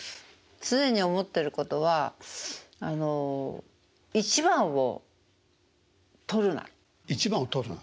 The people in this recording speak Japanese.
常に思ってることはあの「一番を取るな」。